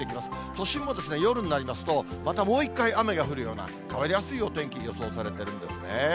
都心も夜になりますと、またもう一回、雨が降るような、変わりやすいお天気、予想されているんですね。